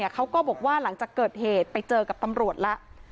เขาก็บอกว่าหลังจากเกิดเหตุไปเจอกับตำรวจแล้ว